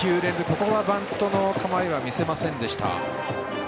ここはバントの構えは見せませんでした。